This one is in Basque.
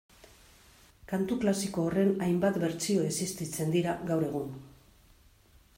Kantu klasiko horren hainbat bertsio existitzen dira gaur egun